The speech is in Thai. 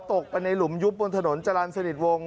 ตกไปในหลุมยุบบนถนนจรรย์สนิทวงศ